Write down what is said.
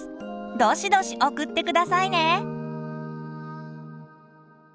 どしどし送って下さいね！